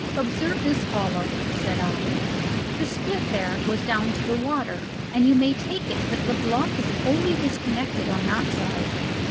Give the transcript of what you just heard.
"Observe this hollow," said I; "the split there goes down to the water, and you may take it that the block is wholly disconnected on that side.